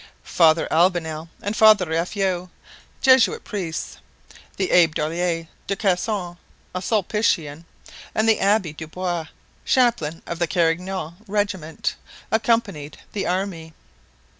Father Albanel and Father Raffeix, Jesuit priests, the Abbe Dollier de Casson, a Sulpician, and the Abbe Dubois, chaplain of the Carignan regiment, accompanied the army.